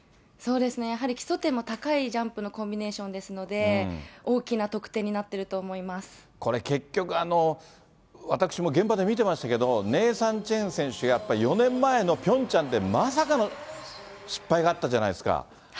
そうですね、やはり基礎点も高いジャンプのコンビネーションですので、大きなこれ、結局、私も現場で見てましたけれども、ネイサン・チェン選手がやっぱり４年前のピョンチャンで、まさかの失敗があったじゃないですか。